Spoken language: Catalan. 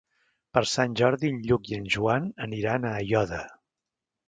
Per Sant Jordi en Lluc i en Joan aniran a Aiòder.